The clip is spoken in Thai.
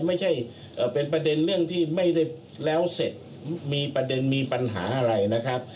ไม่ใช่เป็นประเด็นเรื่องที่ไม่ได้แล้วเสร็จมีประเด็นมีปัญหาอะไรนะครับ